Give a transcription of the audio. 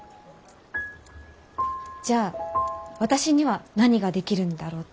じゃあ私には何ができるんだろうって。